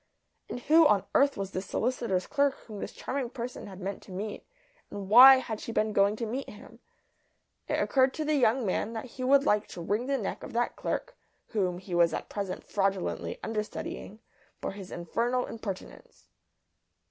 And who on earth was this solicitor's clerk whom this charming person had meant to meet, and why had she been going to meet him? It occurred to the young man that he would like to wring the neck of that clerk (whom he was at present fraudulently under studying) for his infernal impertinence.